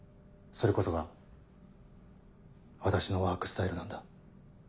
それこそが私のワークスタイルなんだ。